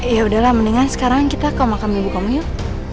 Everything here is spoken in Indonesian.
ya udahlah mendingan sekarang kita ke makam ibu kom yuk